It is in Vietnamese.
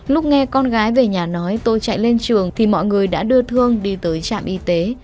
lúc nghe con gái về nhà nói tôi chạy lên trường thì mọi người đã đưa thương đi tới trạm y tế